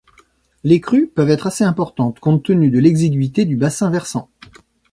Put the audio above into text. Les crues peuvent être assez importantes, compte tenu de l'exigüité du bassin versant.